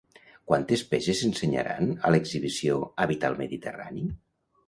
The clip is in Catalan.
Quantes peces s'ensenyaran a l'exhibició "Habitar el Mediterrani"?